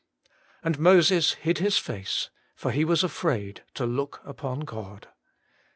And Moses hid his face, for He was afraid to look upon God.'